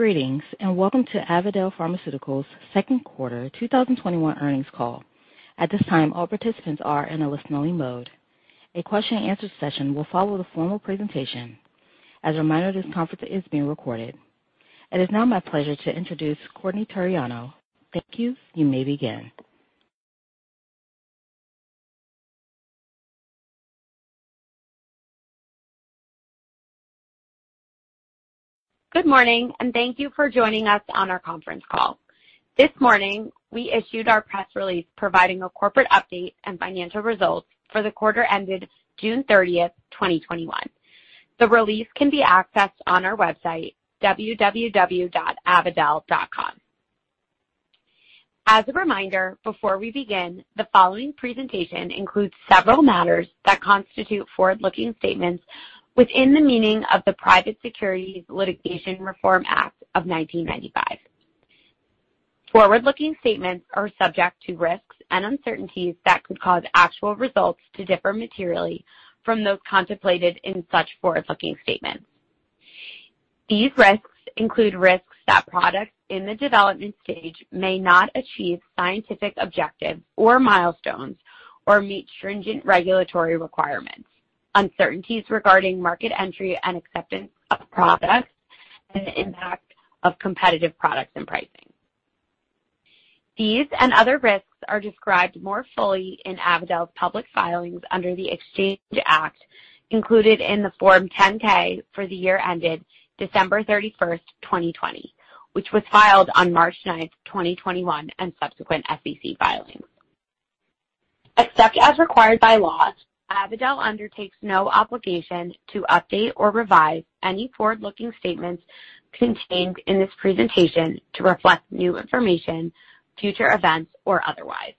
Greetings, welcome to Avadel Pharmaceuticals second quarter 2021 earnings call. At this time, all participants are in a listening mode. A question-and-answer session will follow the formal presentation. As a reminder, this conference is being recorded. It is now my pleasure to introduce Courtney Turiano. Thank you. Good morning, thank you for joining us on our conference call. This morning, we issued our press release providing a corporate update and financial results for the quarter ended June 30th, 2021. The release can be accessed on our website, www.avadel.com. As a reminder, before we begin, the following presentation includes several matters that constitute forward-looking statements within the meaning of the Private Securities Litigation Reform Act of 1995. Forward-looking statements are subject to risks and uncertainties that could cause actual results to differ materially from those contemplated in such forward-looking statements. These risks include risks that products in the development stage may not achieve scientific objectives or milestones or meet stringent regulatory requirements, uncertainties regarding market entry and acceptance of products, and the impact of competitive products and pricing. These and other risks are described more fully in Avadel's public filings under the Exchange Act included in the Form 10-K for the year ended December 31st, 2020, which was filed on March 9th, 2021, and subsequent SEC filings. Except as required by law, Avadel undertakes no obligation to update or revise any forward-looking statements contained in this presentation to reflect new information, future events, or otherwise.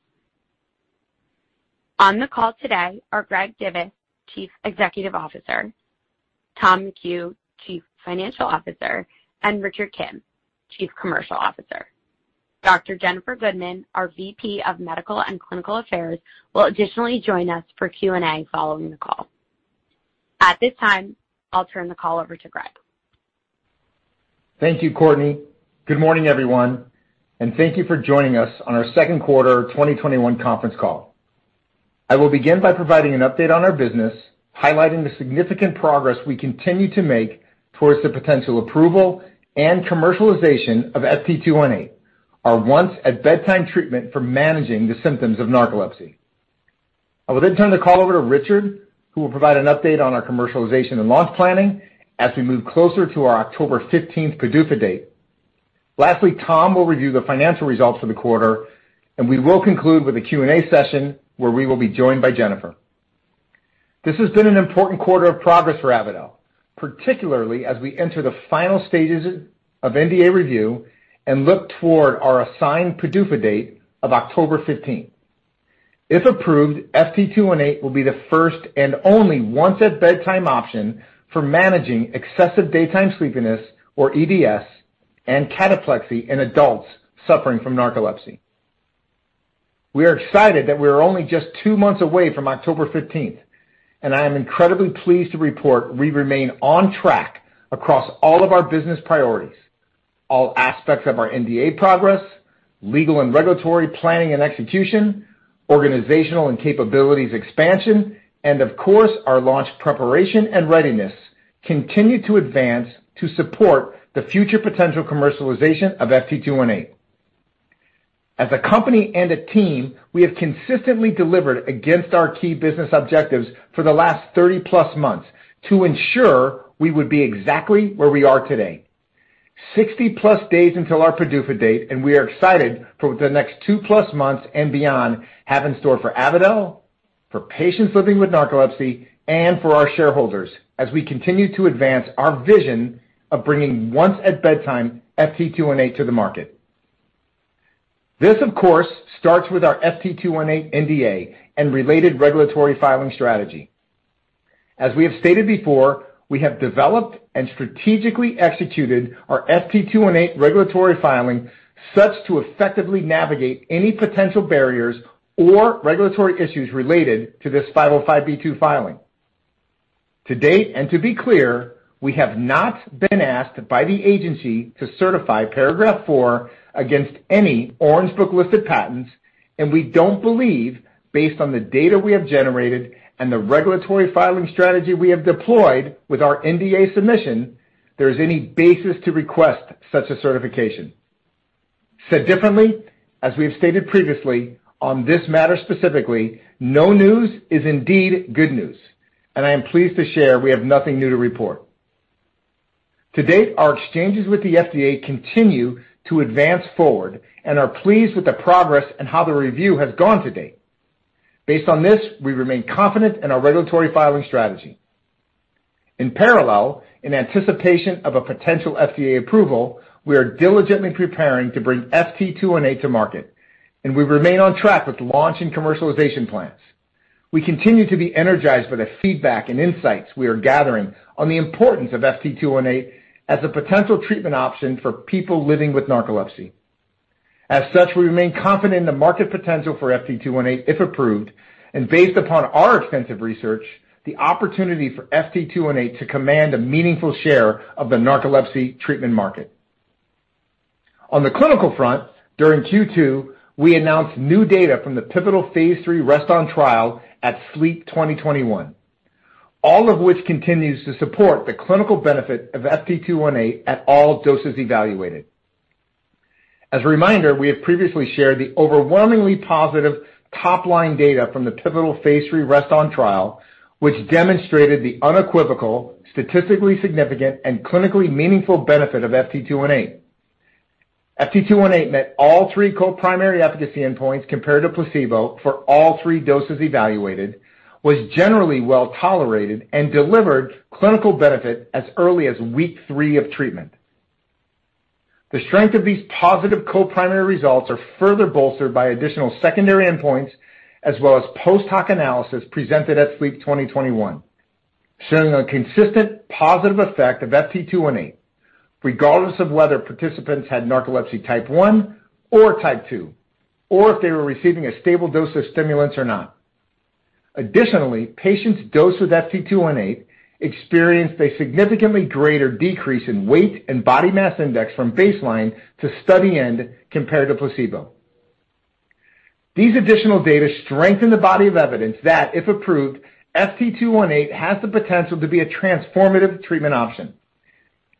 On the call today are Greg Divis, Chief Executive Officer, Tom McHugh, Chief Financial Officer, and Richard Kim, Chief Commercial Officer. Dr. Jennifer Gudeman, our VP of Medical and Clinical Affairs, will additionally join us for Q&A following the call. At this time, I'll turn the call over to Greg. Thank you, Courtney. Good morning, everyone, and thank you for joining us on our second quarter 2021 conference call. I will begin by providing an update on our business, highlighting the significant progress we continue to make towards the potential approval and commercialization of FT218, our once-at-bedtime treatment for managing the symptoms of narcolepsy. I will turn the call over to Richard, who will provide an update on our commercialization and launch planning as we move closer to our October 15th PDUFA Date. Lastly, Tom will review the financial results for the quarter, and we will conclude with a Q&A session where we will be joined by Jennifer. This has been an important quarter of progress for Avadel, particularly as we enter the final stages of NDA review and look toward our assigned PDUFA date of October 15th. If approved, FT218 will be the first and only once-at-bedtime option for managing excessive daytime sleepiness, or EDS, and cataplexy in adults suffering from narcolepsy. We are excited that we are only just two months away from October 15th, and I am incredibly pleased to report we remain on track across all of our business priorities. All aspects of our NDA progress, legal and regulatory planning and execution, organizational and capabilities expansion, and of course, our launch preparation and readiness continue to advance to support the future potential commercialization of FT218. As a company and a team, we have consistently delivered against our key business objectives for the last 30+ months to ensure we would be exactly where we are today. 60+ days until our PDUFA date, and we are excited for the next 2+ months and beyond have in store for Avadel, for patients living with narcolepsy, and for our shareholders as we continue to advance our vision of bringing once-at-bedtime FT218 to the market. This, of course, starts with our FT218 NDA and related regulatory filing strategy. As we have stated before, we have developed and strategically executed our FT218 regulatory filing such to effectively navigate any potential barriers or regulatory issues related to this 505(b)(2) filing. To date, and to be clear, we have not been asked by the agency to certify Paragraph IV against any Orange Book listed patents. We don't believe, based on the data we have generated and the regulatory filing strategy we have deployed with our NDA submission, there is any basis to request such a certification. Said differently, as we have stated previously on this matter specifically, no news is indeed good news, and I am pleased to share we have nothing new to report. To date, our exchanges with the FDA continue to advance forward and are pleased with the progress and how the review has gone to date. Based on this, we remain confident in our regulatory filing strategy. In parallel, in anticipation of a potential FDA approval, we are diligently preparing to bring FT218 to market, and we remain on track with launch and commercialization plans. We continue to be energized by the feedback and insights we are gathering on the importance of FT218 as a potential treatment option for people living with narcolepsy. We remain confident in the market potential for FT218, if approved, and based upon our extensive research, the opportunity for FT218 to command a meaningful share of the narcolepsy treatment market. On the clinical front, during Q2, we announced new data from the pivotal Phase III REST-ON trial at SLEEP 2021. All of which continues to support the clinical benefit of FT218 at all doses evaluated. As a reminder, we have previously shared the overwhelmingly positive top-line data from the pivotal Phase III REST-ON trial, which demonstrated the unequivocal, statistically significant, and clinically meaningful benefit of FT218. FT218 met all three co-primary efficacy endpoints compared to placebo for all three doses evaluated, was generally well tolerated, and delivered clinical benefit as early as week three of treatment. The strength of these positive co-primary results are further bolstered by additional secondary endpoints as well as post-hoc analysis presented at SLEEP 2021, showing a consistent positive effect of FT218 regardless of whether participants had narcolepsy type one or type two, or if they were receiving a stable dose of stimulants or not. Additionally, patients dosed with FT218 experienced a significantly greater decrease in weight and body mass index from baseline to study end compared to placebo. These additional data strengthen the body of evidence that, if approved, FT218 has the potential to be a transformative treatment option.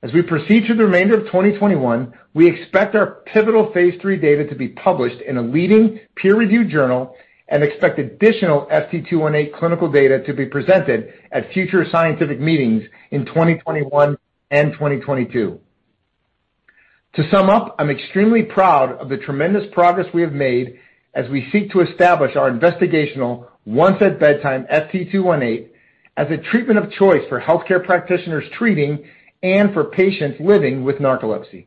As we proceed through the remainder of 2021, we expect our pivotal phase III data to be published in a leading peer-reviewed journal and expect additional FT218 clinical data to be presented at future scientific meetings in 2021 and 2022. To sum up, I'm extremely proud of the tremendous progress we have made as we seek to establish our investigational once-at-bedtime FT218 as a treatment of choice for healthcare practitioners treating and for patients living with narcolepsy.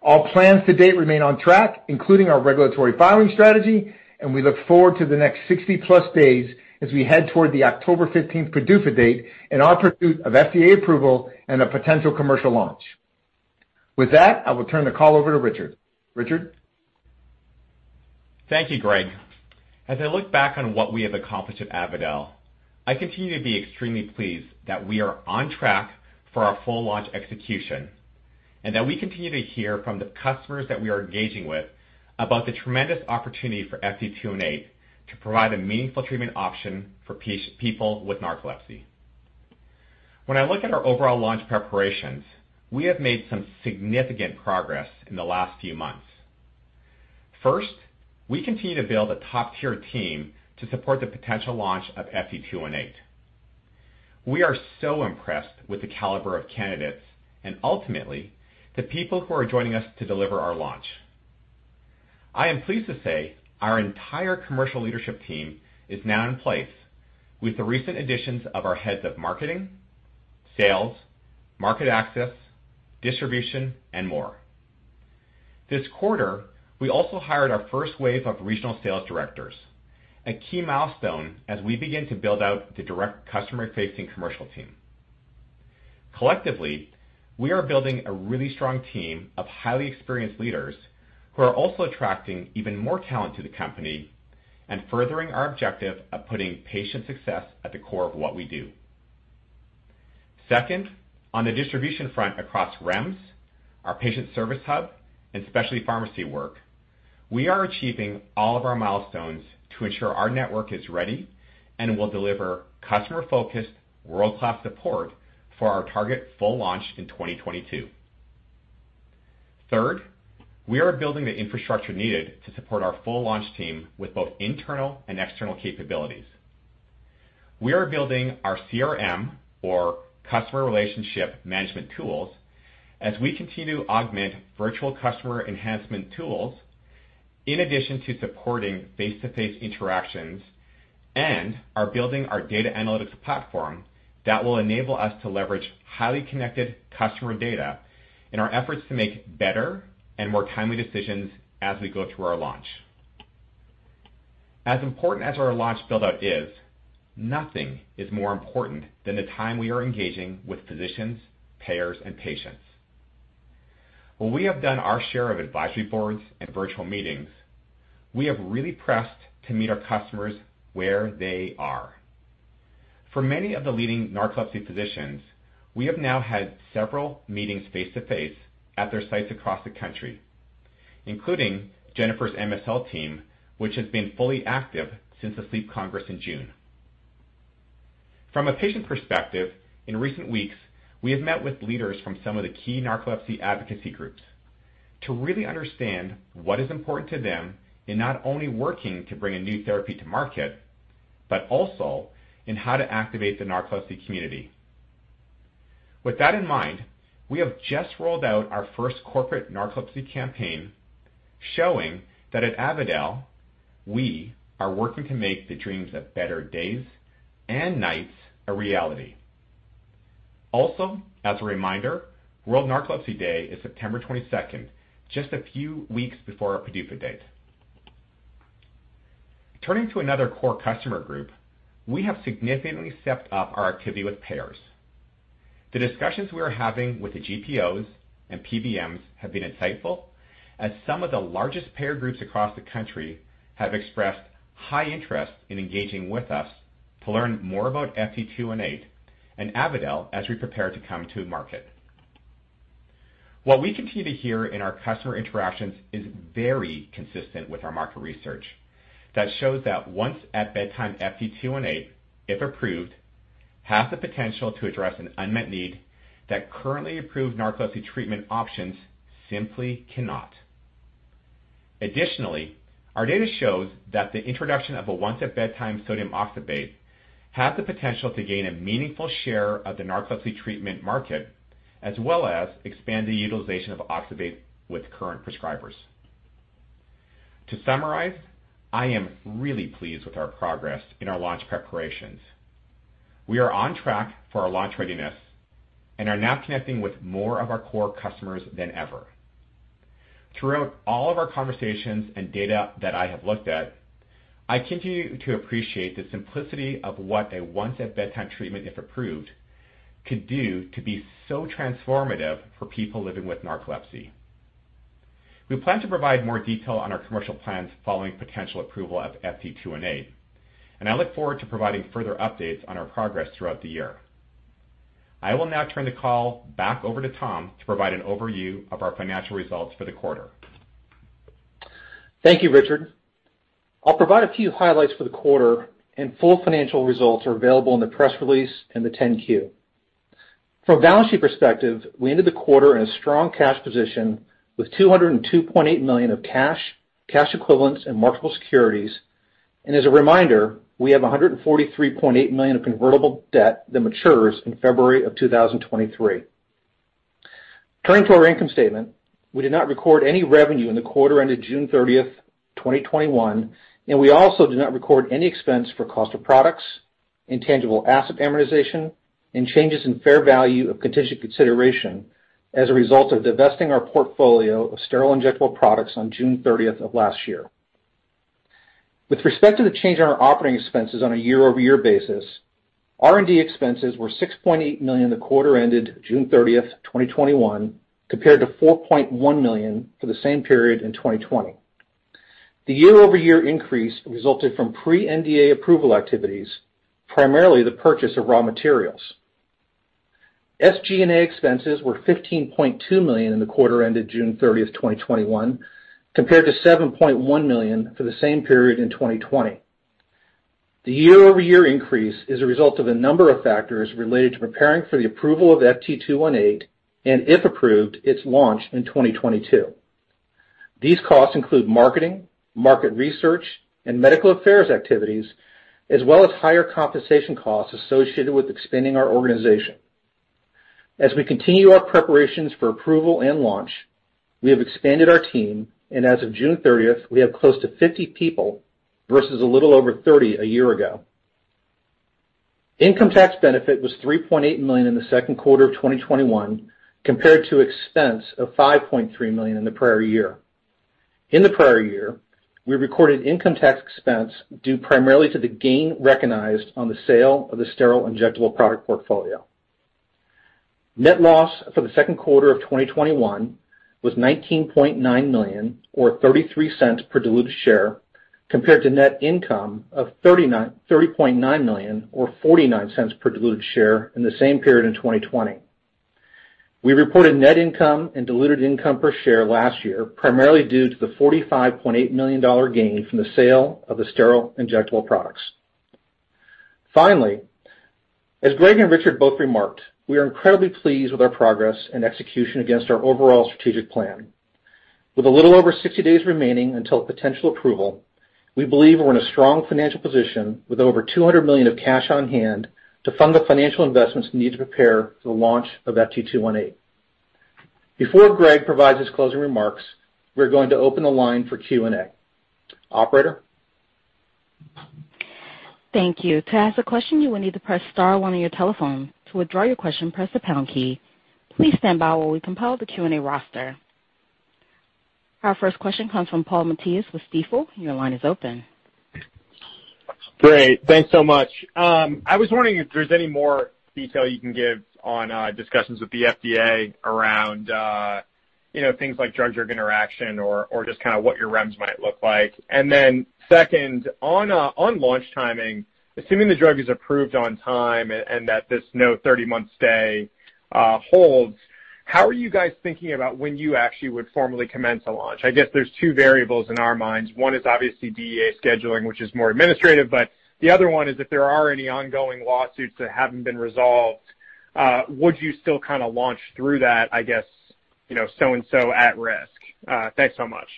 All plans to date remain on track, including our regulatory filing strategy. We look forward to the next 60+ days as we head toward the October 15th PDUFA date in our pursuit of FDA approval and a potential commercial launch. With that, I will turn the call over to Richard. Richard? Thank you, Greg. As I look back on what we have accomplished at Avadel, I continue to be extremely pleased that we are on track for our full launch execution, and that we continue to hear from the customers that we are engaging with about the tremendous opportunity for FT218 to provide a meaningful treatment option for people with narcolepsy. When I look at our overall launch preparations, we have made some significant progress in the last few months. First, we continue to build a top-tier team to support the potential launch of FT218. We are so impressed with the caliber of candidates and ultimately the people who are joining us to deliver our launch. I am pleased to say our entire commercial leadership team is now in place with the recent additions of our heads of marketing, sales, market access, distribution, and more. This quarter, we also hired our first wave of regional sales directors, a key milestone as we begin to build out the direct customer-facing commercial team. Collectively, we are building a really strong team of highly experienced leaders who are also attracting even more talent to the company and furthering our objective of putting patient success at the core of what we do. Second, on the distribution front across REMS, our patient service hub, and specialty pharmacy work, we are achieving all of our milestones to ensure our network is ready and will deliver customer-focused, world-class support for our target full launch in 2022. Third, we are building the infrastructure needed to support our full launch team with both internal and external capabilities. We are building our CRM, or customer relationship management tools, as we continue to augment virtual customer enhancement tools in addition to supporting face-to-face interactions, and are building our data analytics platform that will enable us to leverage highly connected customer data in our efforts to make better and more timely decisions as we go through our launch. As important as our launch build-out is, nothing is more important than the time we are engaging with physicians, payers, and patients. While we have done our share of advisory boards and virtual meetings, we have really pressed to meet our customers where they are. For many of the leading narcolepsy physicians, we have now had several meetings face-to-face at their sites across the country, including Jennifer's MSL team, which has been fully active since the Sleep Congress in June. From a patient perspective, in recent weeks, we have met with leaders from some of the key narcolepsy advocacy groups to really understand what is important to them in not only working to bring a new therapy to market, but also in how to activate the narcolepsy community. With that in mind, we have just rolled out our first corporate narcolepsy campaign showing that at Avadel, we are working to make the dreams of better days and nights a reality. Also, as a reminder, World Narcolepsy Day is September 22nd, just a few weeks before our PDUFA date. Turning to another core customer group, we have significantly stepped up our activity with payers. The discussions we are having with the GPOs and PBMs have been insightful, as some of the largest payer groups across the country have expressed high interest in engaging with us to learn more about FT218 and Avadel as we prepare to come to market. What we continue to hear in our customer interactions is very consistent with our market research that shows that once-at-bedtime FT218, if approved, has the potential to address an unmet need that currently approved narcolepsy treatment options simply cannot. Additionally, our data shows that the introduction of a once-at-bedtime sodium oxybate has the potential to gain a meaningful share of the narcolepsy treatment market, as well as expand the utilization of oxybate with current prescribers. To summarize, I am really pleased with our progress in our launch preparations. We are on track for our launch readiness and are now connecting with more of our core customers than ever. Throughout all of our conversations and data that I have looked at, I continue to appreciate the simplicity of what a once-at-bedtime treatment, if approved, could do to be so transformative for people living with narcolepsy. We plan to provide more detail on our commercial plans following potential approval of FT218, and I look forward to providing further updates on our progress throughout the year. I will now turn the call back over to Tom to provide an overview of our financial results for the quarter. Thank you, Richard. I'll provide a few highlights for the quarter, and full financial results are available in the press release and the 10-Q. From a balance sheet perspective, we ended the quarter in a strong cash position with $202.8 million of cash equivalents, and marketable securities. As a reminder, we have $143.8 million of convertible debt that matures in February 2023. Turning to our income statement, we did not record any revenue in the quarter ended June 30th, 2021, and we also did not record any expense for cost of products, intangible asset amortization, and changes in fair value of contingent consideration as a result of divesting our portfolio of sterile injectable products on June 30th of last year. With respect to the change in our operating expenses on a year-over-year basis, R&D expenses were $6.8 million in the quarter ended June 30th, 2021, compared to $4.1 million for the same period in 2020. The year-over-year increase resulted from pre-NDA approval activities, primarily the purchase of raw materials. SG&A expenses were $15.2 million in the quarter ended June 30th, 2021, compared to $7.1 million for the same period in 2020. The year-over-year increase is a result of a number of factors related to preparing for the approval of FT218 and, if approved, its launch in 2022. These costs include marketing, market research, and medical affairs activities, as well as higher compensation costs associated with expanding our organization. As we continue our preparations for approval and launch, we have expanded our team, and as of June 30th, we have close to 50 people versus a little over 30 a year ago. Income tax benefit was $3.8 million in the second quarter of 2021 compared to expense of $5.3 million in the prior year. In the prior year, we recorded income tax expense due primarily to the gain recognized on the sale of the sterile injectable product portfolio. Net loss for the second quarter of 2021 was $19.9 million or $0.33 per diluted share, compared to net income of $30.9 million or $0.49 per diluted share in the same period in 2020. We reported net income and diluted income per share last year, primarily due to the $45.8 million gain from the sale of the sterile injectable products. Finally, as Greg and Richard both remarked, we are incredibly pleased with our progress and execution against our overall strategic plan. With a little over 60 days remaining until potential approval, we believe we're in a strong financial position with over $200 million of cash on hand to fund the financial investments we need to prepare for the launch of FT218. Before Greg provides his closing remarks, we're going to open the line for Q&A. Operator? Thank you. To ask a question, you will need to press star on on your telephone. To withdraw your question, press the pound key. Please standby while we compile the Q&A roster. Our first question comes from Paul Matteis with Stifel. Your line is open. Great. Thanks so much. I was wondering if there's any more detail you can give on discussions with the FDA around things like drug-drug interaction or just kind of what your REMS might look like. Second, on launch timing, assuming the drug is approved on time and that this no 30-month stay holds, how are you guys thinking about when you actually would formally commence a launch? I guess there's two variables in our minds. One is obviously DEA scheduling, which is more administrative. The other one is if there are any ongoing lawsuits that haven't been resolved, would you still kind of launch through that, I guess, so and so at risk? Thanks so much.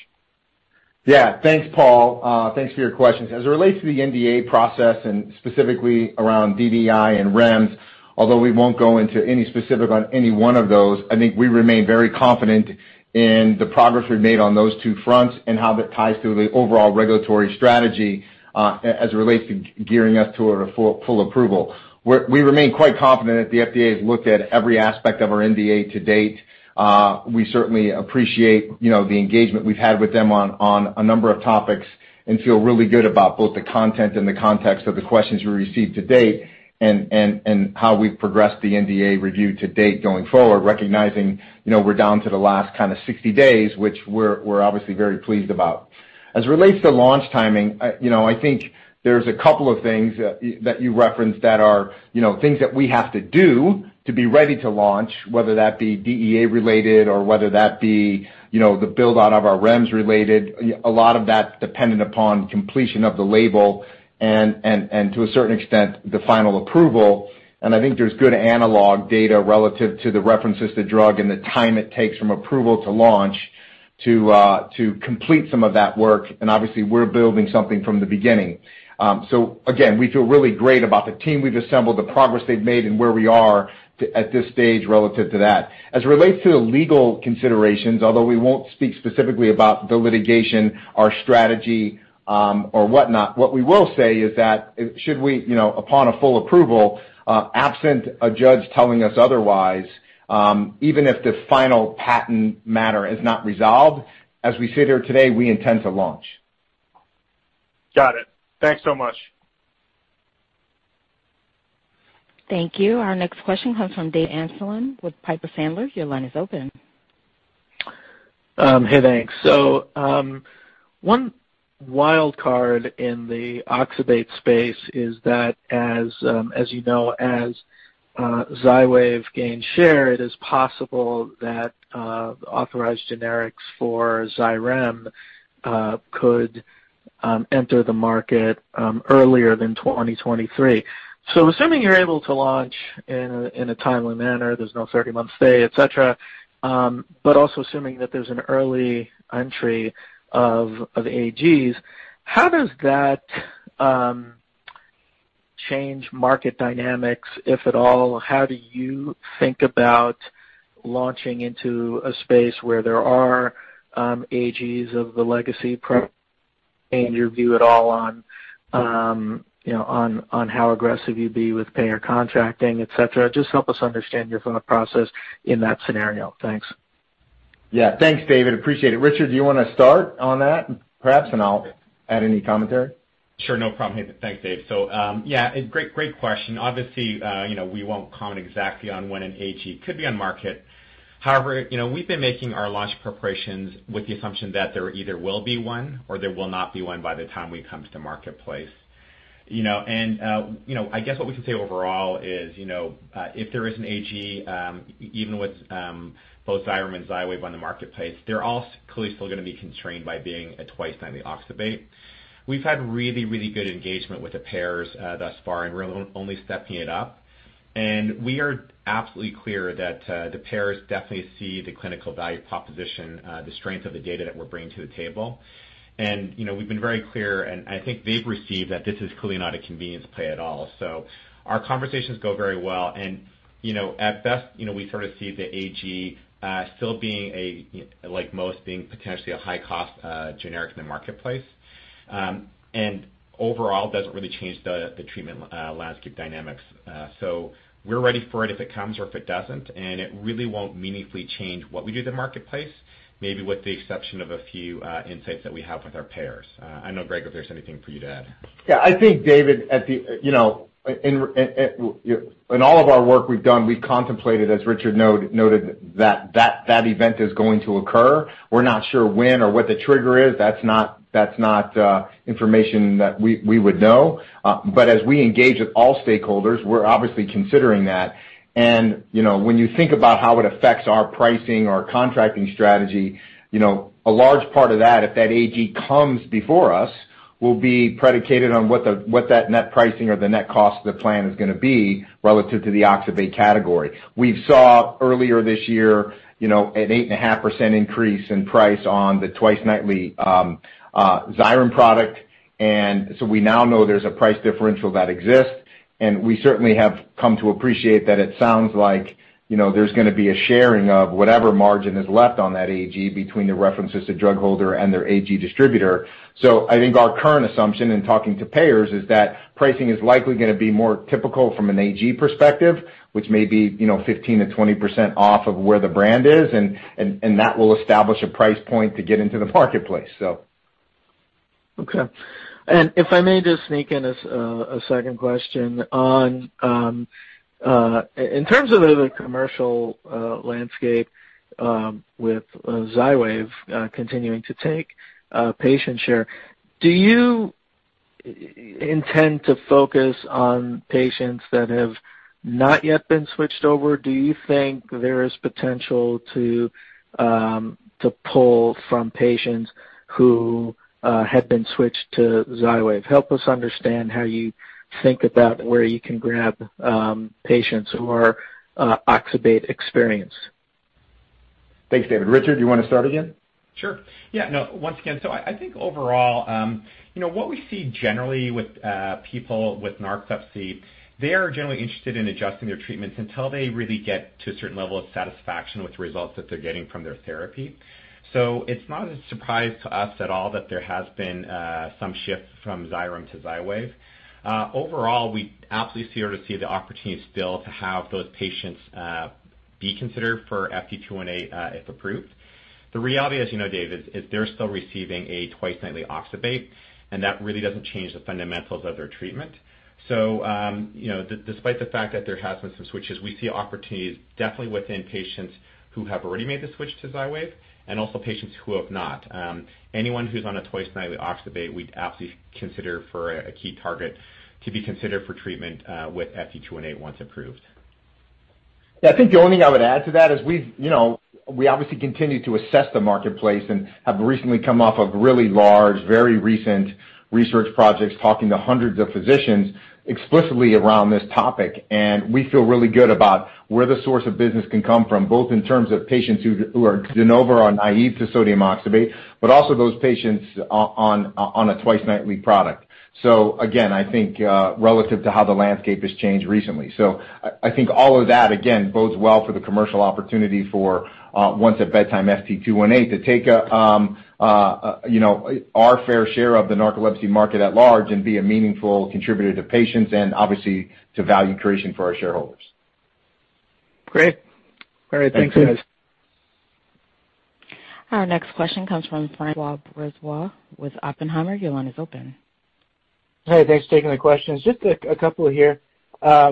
Yeah. Thanks, Paul. Thanks for your questions. As it relates to the NDA process and specifically around DDI and REMS, although we won't go into any specific on any one of those, I think we remain very confident in the progress we've made on those two fronts and how that ties to the overall regulatory strategy, as it relates to gearing us to a full approval. We remain quite confident that the FDA has looked at every aspect of our NDA to date. We certainly appreciate the engagement we've had with them on a number of topics and feel really good about both the content and the context of the questions we received to date and how we've progressed the NDA review to date going forward, recognizing we're down to the last 60 days, which we're obviously very pleased about. As it relates to launch timing, I think there's a couple of things that you referenced that are things that we have to do to be ready to launch, whether that be DEA related or whether that be the build-out of our REMS related. A lot of that's dependent upon completion of the label and to a certain extent, the final approval. I think there's good analog data relative to the references to drug and the time it takes from approval to launch to complete some of that work. Obviously, we're building something from the beginning. Again, we feel really great about the team we've assembled, the progress they've made, and where we are at this stage relative to that. As it relates to the legal considerations, although we won't speak specifically about the litigation, our strategy, or whatnot, what we will say is that should we, upon a full approval, absent a judge telling us otherwise, even if the final patent matter is not resolved, as we sit here today, we intend to launch. Got it. Thanks so much. Thank you. Our next question comes from Dave Amsellem with Piper Sandler. Your line is open. Hey, thanks. One wild card in the oxybate space is that, as you know, as XYWAV gains share, it is possible that authorized generics for XYREM could enter the market earlier than 2023. Assuming you're able to launch in a timely manner, there's no 30-month stay, et cetera, but also assuming that there's an early entry of AGs, how does that change market dynamics, if at all? How do you think about launching into a space where there are AGs of the legacy and your view at all on how aggressive you'd be with payer contracting, et cetera? Just help us understand your thought process in that scenario. Thanks. Yeah. Thanks, David. Appreciate it. Richard, do you want to start on that, perhaps, and I'll add any commentary? Sure. No problem. Thanks, Dave. Yeah, great question. Obviously, we won't comment exactly on when an AG could be on market. However, we've been making our launch preparations with the assumption that there either will be one or there will not be one by the time we come to the marketplace. I guess what we can say overall is, if there is an AG, even with both XYREM and XYWAV on the marketplace, they're also clearly still going to be constrained by being a twice-nightly oxybate. We've had really good engagement with the payers thus far, we're only stepping it up. We are absolutely clear that the payers definitely see the clinical value proposition, the strength of the data that we're bringing to the table. We've been very clear, and I think they've received that this is clearly not a convenience play at all. Our conversations go very well and at best, we sort of see the AG still being a, like most, being potentially a high cost generic in the marketplace. Overall, doesn't really change the treatment landscape dynamics. We're ready for it if it comes or if it doesn't, and it really won't meaningfully change what we do in the marketplace, maybe with the exception of a few insights that we have with our payers. I know, Greg, if there's anything for you to add. I think, David, in all of our work we've done, we contemplated, as Richard noted, that that event is going to occur. We're not sure when or what the trigger is. That's not information that we would know. As we engage with all stakeholders, we're obviously considering that. When you think about how it affects our pricing, our contracting strategy, a large part of that, if that AG comes before us, will be predicated on what that net pricing or the net cost of the plan is going to be relative to the oxybate category. We saw earlier this year an 8.5% increase in price on the twice-nightly XYREM product. We now know there's a price differential that exists, and we certainly have come to appreciate that it sounds like there's going to be a sharing of whatever margin is left on that AG between the references to drug holder and their AG distributor. I think our current assumption in talking to payers is that pricing is likely going to be more typical from an AG perspective, which may be 15%-20% off of where the brand is, and that will establish a price point to get into the marketplace. Okay. If I may just sneak in a second question. In terms of the commercial landscape with XYWAV continuing to take patient share, do you intend to focus on patients that have not yet been switched over? Do you think there is potential to pull from patients who had been switched to XYWAV? Help us understand how you think about where you can grab patients who are oxybate experienced. Thanks, David. Richard, you want to start again? Sure. Yeah, no, once again. I think overall, what we see generally with people with narcolepsy, they are generally interested in adjusting their treatments until they really get to a certain level of satisfaction with the results that they are getting from their therapy. It is not a surprise to us at all that there has been some shift from XYREM to XYWAV. Overall, we absolutely still see the opportunity still to have those patients be considered for FT218 if approved. The reality, as you know, Dave, is they are still receiving a twice-nightly oxybate, and that really does not change the fundamentals of their treatment. Despite the fact that there has been some switches, we see opportunities definitely within patients who have already made the switch to XYWAV, and also patients who have not. Anyone who's on a twice-nightly oxybate, we'd absolutely consider for a key target to be considered for treatment with FT218 once approved. Yeah. I think the only thing I would add to that is we obviously continue to assess the marketplace and have recently come off of really large, very recent research projects, talking to hundreds of physicians explicitly around this topic. We feel really good about where the source of business can come from, both in terms of patients who are de novo or naive to sodium oxybate, but also those patients on a twice-nightly product. Again, I think relative to how the landscape has changed recently. I think all of that, again, bodes well for the commercial opportunity for once-at-bedtime FT218 to take our fair share of the narcolepsy market at large and be a meaningful contributor to patients and obviously to value creation for our shareholders. Great. All right. Thanks, guys. Thanks, David. Our next question comes from François Brisebois with Oppenheimer. Your line is open. Hey, thanks for taking the questions. Just a couple here. I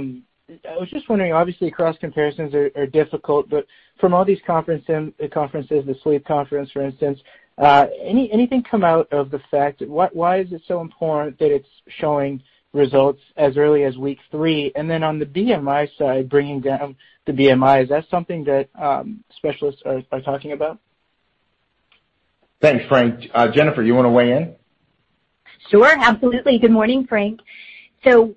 was just wondering, obviously, cross comparisons are difficult, but from all these conferences, the sleep conference, for instance, anything come out of the fact, why is it so important that it's showing results as early as week three? On the BMI side, bringing down the BMI, is that something that specialists are talking about? Thanks, Frank. Jennifer, you want to weigh in? Sure. Absolutely. Good morning, Frank.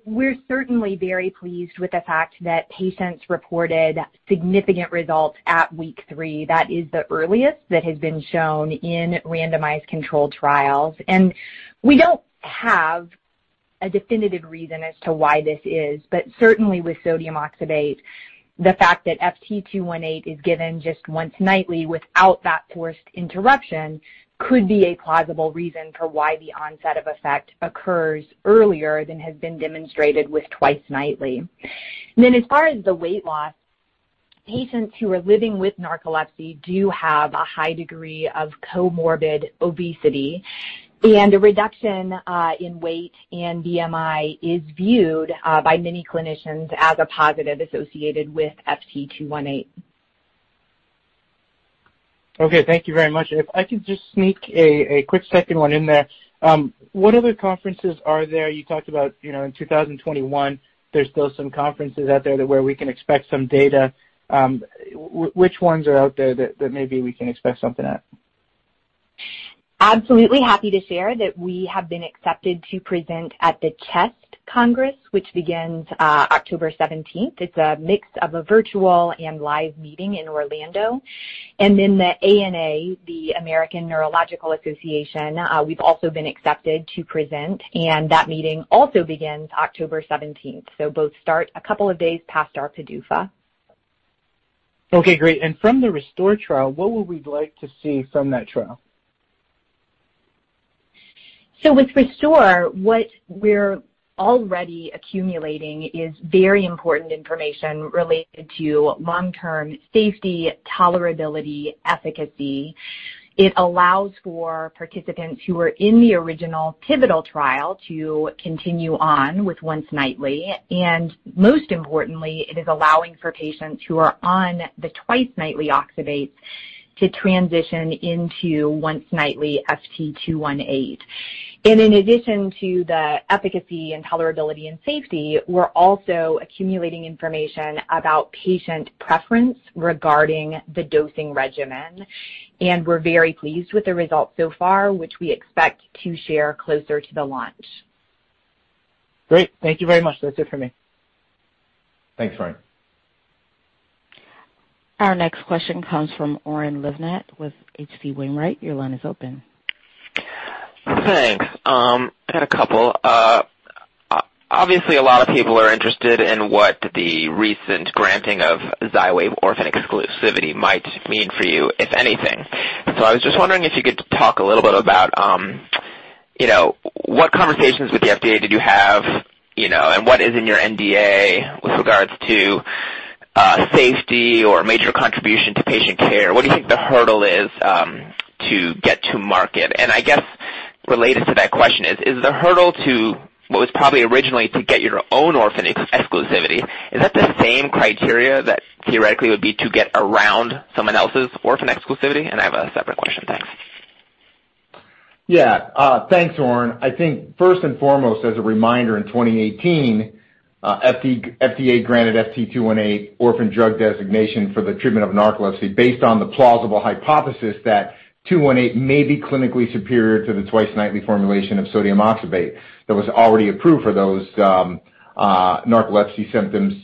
We're certainly very pleased with the fact that patients reported significant results at week three. That is the earliest that has been shown in randomized controlled trials. We don't have a definitive reason as to why this is, but certainly with sodium oxybate, the fact that FT218 is given just once nightly without that forced interruption could be a plausible reason for why the onset of effect occurs earlier than has been demonstrated with twice-nightly. As far as the weight loss, patients who are living with narcolepsy do have a high degree of comorbid obesity, and a reduction in weight and BMI is viewed by many clinicians as a positive associated with FT218. Okay. Thank you very much. If I could just sneak a quick second one in there. What other conferences are there? You talked about in 2021, there is still some conferences out there that where we can expect some data. Which ones are out there that maybe we can expect something at? Absolutely happy to share that we have been accepted to present at the CHEST Congress, which begins October 17th. It's a mix of a virtual and live meeting in Orlando. The ANA, the American Neurological Association, we've also been accepted to present, and that meeting also begins October 17th. Both start a couple of days past our PDUFA. Okay, great. From the RESTORE trial, what would we like to see from that trial? With RESTORE, what we're already accumulating is very important information related to long-term safety, tolerability, efficacy. It allows for participants who were in the original pivotal trial to continue on with once nightly. Most importantly, it is allowing for patients who are on the twice-nightly oxybate to transition into once-nightly FT218. In addition to the efficacy and tolerability and safety, we're also accumulating information about patient preference regarding the dosing regimen. We're very pleased with the results so far, which we expect to share closer to the launch. Great. Thank you very much. That's it for me. Thanks, Frank. Our next question comes from Oren Livnat with H.C. Wainwright. Your line is open. Thanks. I got a couple. Obviously, a lot of people are interested in what the recent granting of XYWAV orphan exclusivity might mean for you, if anything. I was just wondering if you could talk a little bit about what conversations with the FDA did you have, and what is in your NDA with regards to safety or major contribution to patient care? What do you think the hurdle is to get to market? I guess related to that question is hurdle to what was probably originally to get your own orphan exclusivity, is that the same criteria that theoretically would be to get around someone else's orphan exclusivity? I have a separate question. Thanks. Yeah. Thanks, Oren. I think first and foremost, as a reminder, in 2018, FDA granted FT218 orphan drug designation for the treatment of narcolepsy based on the plausible hypothesis that 218 may be clinically superior to the twice-nightly formulation of sodium oxybate that was already approved for those narcolepsy symptoms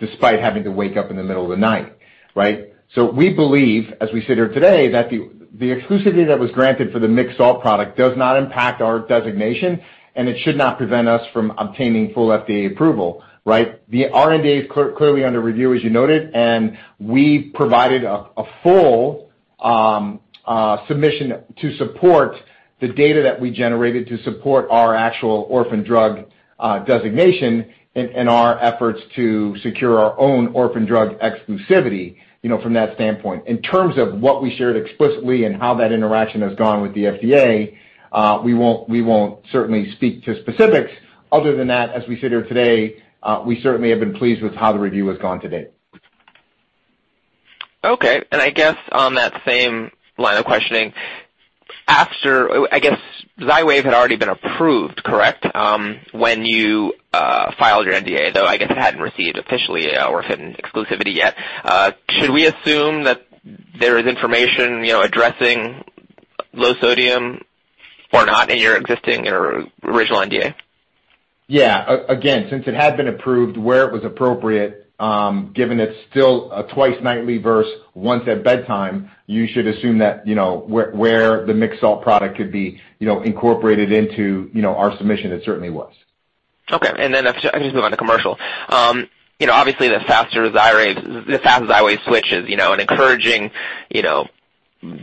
despite having to wake up in the middle of the night. We believe, as we sit here today, that the exclusivity that was granted for the mixed salt product does not impact our designation, and it should not prevent us from obtaining full FDA approval. Our NDA is clearly under review, as you noted, and we provided a full submission to support the data that we generated to support our actual orphan drug designation and our efforts to secure our own orphan drug exclusivity, from that standpoint. In terms of what we shared explicitly and how that interaction has gone with the FDA, we won't certainly speak to specifics. Other than that, as we sit here today, we certainly have been pleased with how the review has gone to date. Okay. I guess on that same line of questioning, I guess XYWAV had already been approved, correct, when you filed your NDA, though, I guess it hadn't received officially orphan exclusivity yet. Should we assume that there is information addressing low sodium or not in your existing or original NDA? Yeah. Since it had been approved where it was appropriate, given it's still a twice-nightly versus once at bedtime, you should assume that where the mixed salt product could be incorporated into our submission, it certainly was. Okay. I'm going to move on to commercial. Obviously the faster XYWAV switches, an encouraging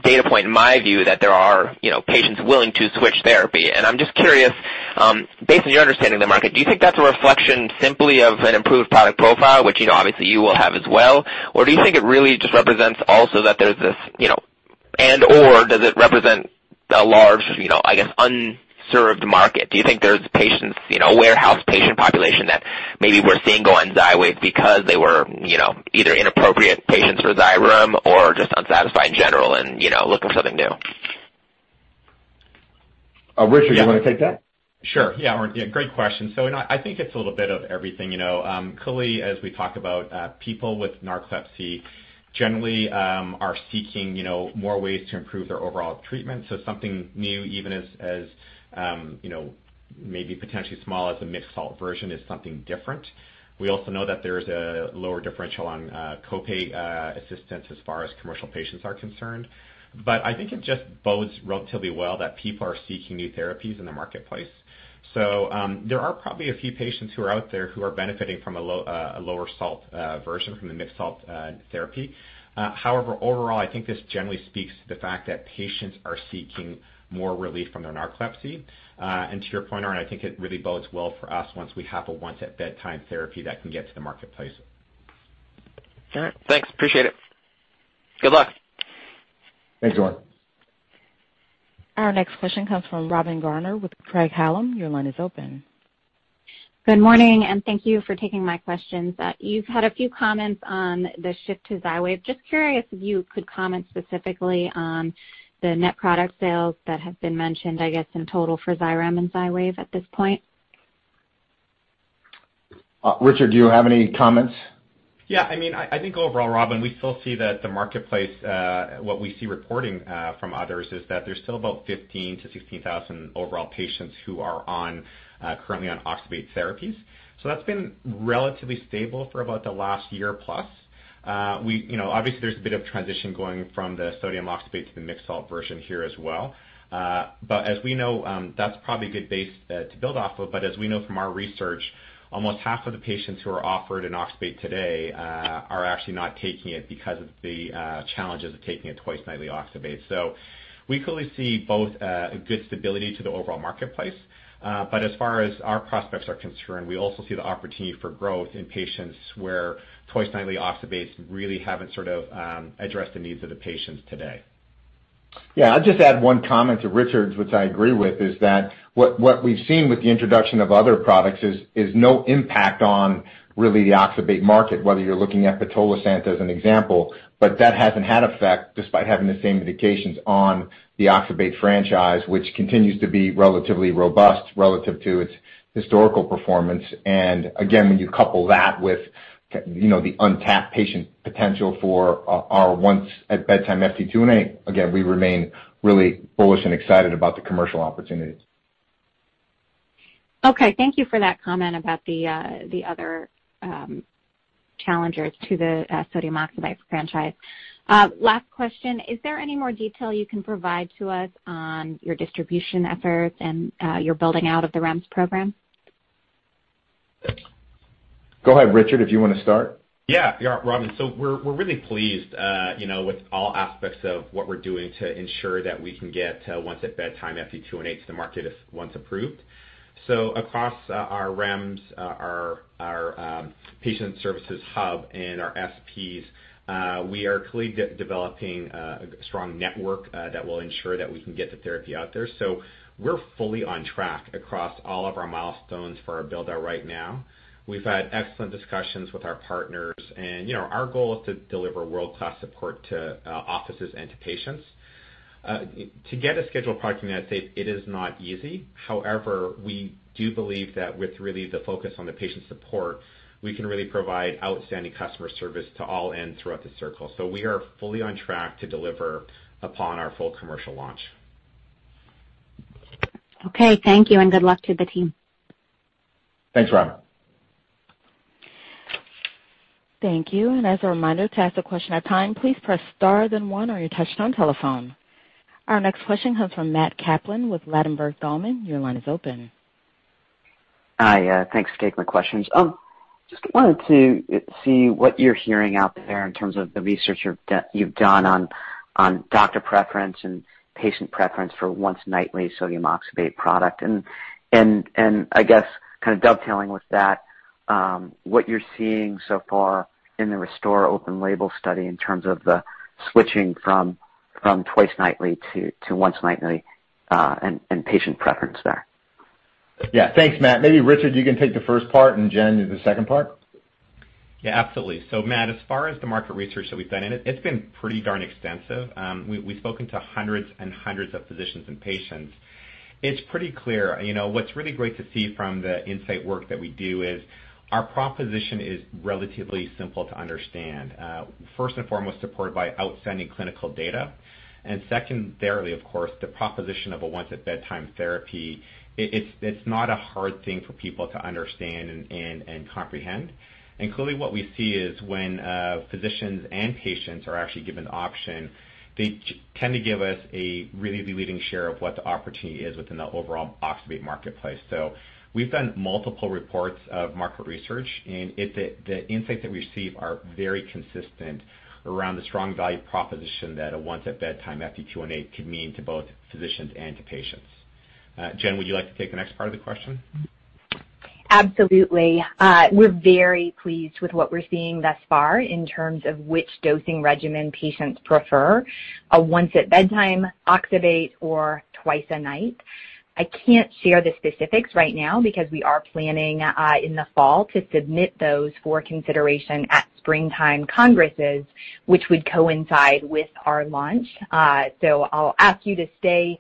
data point in my view that there are patients willing to switch therapy. I'm just curious, based on your understanding of the market, do you think that's a reflection simply of an improved product profile, which obviously you will have as well? Do you think it really just represents also that there's this, and/or does it represent a large, I guess, unserved market? Do you think there's patients, warehouse patient population that maybe we're seeing go on XYWAV because they were either inappropriate patients for XYREM or just unsatisfied in general and looking for something new? Richard, do you want to take that? Sure. Yeah. Great question. I think it's a little bit of everything. Clearly, as we talk about people with narcolepsy generally are seeking more ways to improve their overall treatment. Something new, even as maybe potentially small as a mixed salt version, is something different. We also know that there is a lower differential on copay assistance as far as commercial patients are concerned. I think it just bodes relatively well that people are seeking new therapies in the marketplace. There are probably a few patients who are out there who are benefiting from a lower salt version from the mixed salt therapy. However, overall, I think this generally speaks to the fact that patients are seeking more relief from their narcolepsy. To your point, Oren, I think it really bodes well for us once we have a once at bedtime therapy that can get to the marketplace. All right. Thanks. Appreciate it. Good luck. Thanks, Oren. Our next question comes from Robin Garner with Craig-Hallum. Your line is open. Good morning. Thank you for taking my questions. You've had a few comments on the shift to XYWAV. Just curious if you could comment specifically on the net product sales that have been mentioned, I guess, in total for XYREM and XYWAV at this point. Richard, do you have any comments? I think overall, Robin, we still see that the marketplace, what we see reporting from others is that there's still about 15,000-16,000 overall patients who are currently on oxybate therapies. That's been relatively stable for about the last year plus. Obviously, there's a bit of transition going from the sodium oxybate to the mixed salt version here as well. As we know, that's probably a good base to build off of, but as we know from our research, almost half of the patients who are offered an oxybate today are actually not taking it because of the challenges of taking a twice-nightly oxybate. We clearly see both a good stability to the overall marketplace. As far as our prospects are concerned, we also see the opportunity for growth in patients where twice-nightly oxybates really haven't sort of addressed the needs of the patients today. Yeah. I'll just add one comment to Richard's, which I agree with, is that what we've seen with the introduction of other products is no impact on really the oxybate market, whether you're looking at pitolisant as an example. That hasn't had effect despite having the same indications on the oxybate franchise, which continues to be relatively robust relative to its historical performance. Again, when you couple that with the untapped patient potential for our once at bedtime FT218, again, we remain really bullish and excited about the commercial opportunities. Okay. Thank you for that comment about the other challengers to the sodium oxybate franchise. Last question, is there any more detail you can provide to us on your distribution efforts and your building out of the REMS program? Go ahead, Richard, if you want to start. Robin, we're really pleased with all aspects of what we're doing to ensure that we can get once at bedtime FT218 to the market once approved. Across our REMS, our patient services hub, and our SPs, we are clearly developing a strong network that will ensure that we can get the therapy out there. We're fully on track across all of our milestones for our build-out right now. We've had excellent discussions with our partners. Our goal is to deliver world-class support to offices and to patients. To get a scheduled product in the U.S., it is not easy. However, we do believe that with really the focus on the patient support, we can really provide outstanding customer service to all ends throughout the circle. We are fully on track to deliver upon our full commercial launch. Okay, thank you, and good luck to the team. Thanks, Robin. Thank you. As a reminder, to ask a question at time, please press star then one on your touchtone telephone. Our next question comes from Matt Kaplan with Ladenburg Thalmann. Your line is open. Hi. Thanks for taking my questions. Just wanted to see what you're hearing out there in terms of the research you've done on doctor preference and patient preference for once-nightly sodium oxybate product. I guess, kind of dovetailing with that, what you're seeing so far in the RESTORE open label study in terms of the switching from twice-nightly to once nightly, and patient preference there. Yeah. Thanks, Matt. Maybe Richard, you can take the first part and Jen, the second part. Yeah, absolutely. Matt, as far as the market research that we've done, and it's been pretty darn extensive. We've spoken to hundreds and hundreds of physicians and patients. It's pretty clear. What's really great to see from the insight work that we do is our proposition is relatively simple to understand. First and foremost, supported by outstanding clinical data, and secondarily, of course, the proposition of a once-at-bedtime therapy. It's not a hard thing for people to understand and comprehend. Clearly what we see is when physicians and patients are actually given the option, they tend to give us a really leading share of what the opportunity is within the overall oxybate marketplace. We've done multiple reports of market research, and the insights that we receive are very consistent around the strong value proposition that a once-at-bedtime FT218 could mean to both physicians and to patients. Jen, would you like to take the next part of the question? Absolutely. We're very pleased with what we're seeing thus far in terms of which dosing regimen patients prefer, a once at bedtime oxybate or twice a night. I can't share the specifics right now because we are planning, in the fall, to submit those for consideration at springtime congresses, which would coincide with our launch. I'll ask you to stay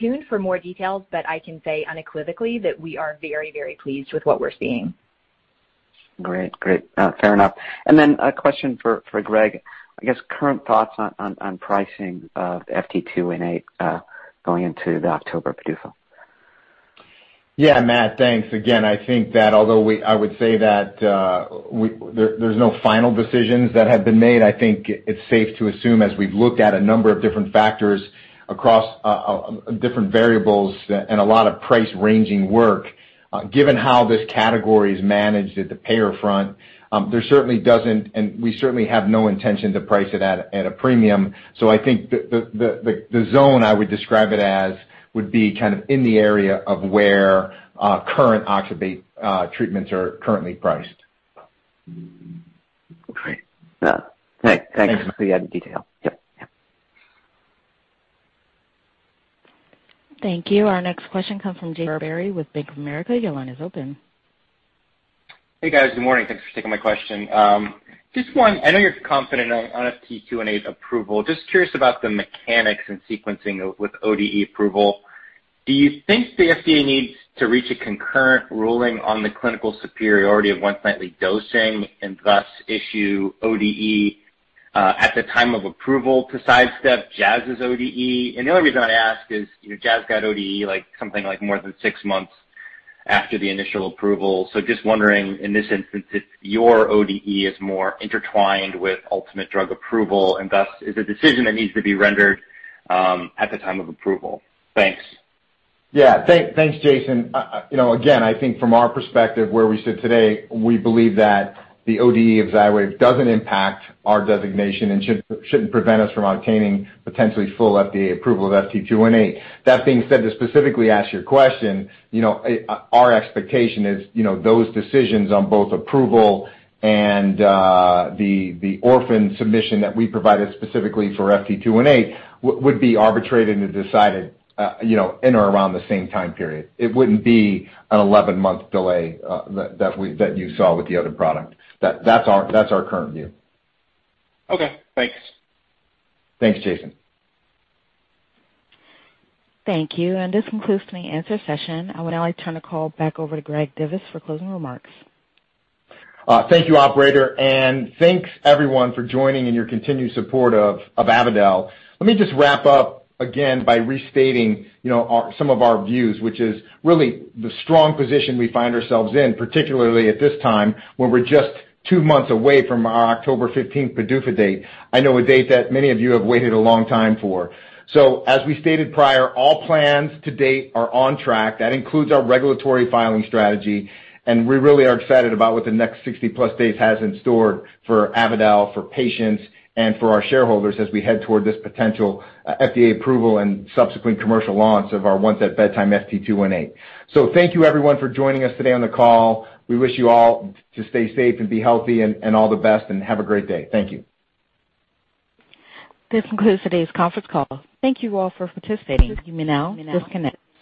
tuned for more details, but I can say unequivocally that we are very, very pleased with what we're seeing. Great. Fair enough. Then a question for Greg. I guess, current thoughts on pricing of FT218 going into the October PDUFA. Yeah, Matt, thanks. Again, I think that although I would say that there's no final decisions that have been made, I think it's safe to assume, as we've looked at a number of different factors across different variables and a lot of price-ranging work, given how this category is managed at the payer front, there certainly doesn't, and we certainly have no intention to price it at a premium. I think the zone I would describe it as would be kind of in the area of where current oxybate treatments are currently priced. Great. Thanks. Thanks. Appreciate the detail. Yep. Thank you. Our next question comes from Jay Gerberry with Bank of America. Your line is open. Hey, guys. Good morning. Thanks for taking my question. Just one. I know you're confident on FT218 approval. Just curious about the mechanics and sequencing with ODE approval. Do you think the FDA needs to reach a concurrent ruling on the clinical superiority of once-nightly dosing and thus issue ODE at the time of approval to sidestep Jazz's ODE? The only reason I ask is, Jazz got ODE something like more than six months after the initial approval. Just wondering, in this instance, if your ODE is more intertwined with ultimate drug approval and thus is a decision that needs to be rendered at the time of approval. Thanks. Yeah. Thanks, Jason. Again, I think from our perspective, where we sit today, we believe that the ODE of XYWAV doesn't impact our designation and shouldn't prevent us from obtaining potentially full FDA approval of FT218. That being said, to specifically ask your question, our expectation is those decisions on both approval and the orphan submission that we provided specifically for FT218 would be arbitrated and decided in or around the same time period. It wouldn't be an 11-month delay that you saw with the other product. That's our current view. Okay, thanks. Thanks, Jason. Thank you. This concludes the answer session. I would now like to turn the call back over to Greg Divis for closing remarks. Thank you, operator, and thanks everyone for joining and your continued support of Avadel. Let me just wrap up again by restating some of our views, which is really the strong position we find ourselves in, particularly at this time when we're just two months away from our October 15th PDUFA date. I know a date that many of you have waited a long time for. As we stated prior, all plans to date are on track. That includes our regulatory filing strategy, and we really are excited about what the next 60+ days has in store for Avadel, for patients, and for our shareholders as we head toward this potential FDA approval and subsequent commercial launch of our once-at-bedtime FT218. Thank you everyone for joining us today on the call. We wish you all to stay safe and be healthy, and all the best, and have a great day. Thank you. This concludes today's conference call. Thank you all for participating. You may now disconnect.